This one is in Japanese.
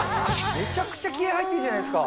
めちゃくちゃ気合い入ってるじゃないですか。